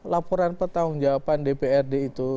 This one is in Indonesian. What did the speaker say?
laporan pertanggung jawaban dprd itu